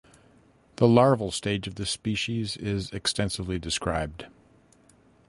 The larval stage of the species is extensively described.